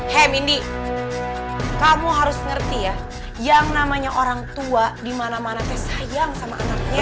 hemi indi kamu harus ngerti ya yang namanya orang tua dimana mana sayang sama anaknya